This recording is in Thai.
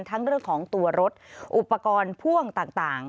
เรื่องของตัวรถอุปกรณ์พ่วงต่าง